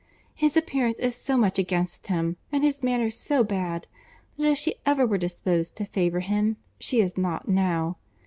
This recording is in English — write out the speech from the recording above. His appearance is so much against him, and his manner so bad, that if she ever were disposed to favour him, she is not now.